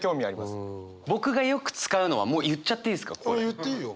言っていいよ。